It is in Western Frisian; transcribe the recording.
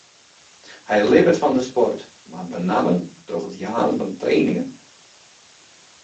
Hy libbet fan de sport, mar benammen troch it jaan fan trainingen.